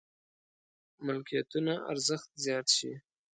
ملکيتونو ارزښت زيات شي.